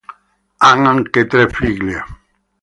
Ha anche tre figlie.